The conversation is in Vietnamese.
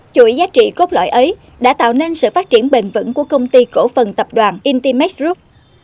chủ yếu giá trị cốt lõi ấy đã tạo nên sự phát triển bền vững của công ty cổ phần tập đoàn intimex group